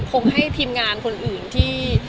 คงให้ทีมงานคนอื่นที่